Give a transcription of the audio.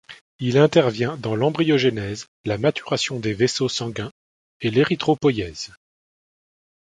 Il intervient dans l'embryogenèse, la maturation des vaisseaux sanguin et l'érythropoïèse.